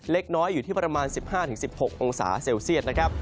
เล็กน้อยอยู่ที่ประมาณ๑๕๑๖องศาเซลเซียตนะครับ